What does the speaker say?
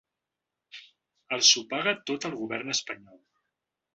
Els ho paga tot el govern espanyol.